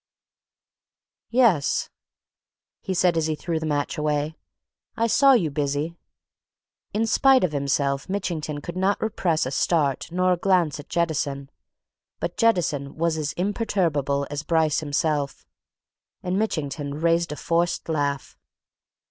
"Yes," he said as he threw the match away. "I saw you busy." In spite of himself Mitchington could not repress a start nor a glance at Jettison. But Jettison was as imperturbable as Bryce himself, and Mitchington raised a forced laugh.